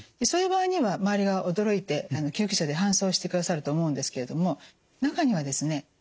そういう場合には周りが驚いて救急車で搬送してくださると思うんですけれども中にはですね